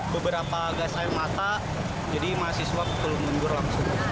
beberapa gas air mata jadi mahasiswa perlu mundur langsung